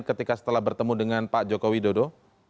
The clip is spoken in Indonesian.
ketika setelah bertemu dengan pak jokowi dodo